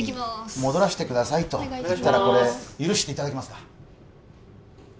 戻らせてくださいと言ったら許していただけますか？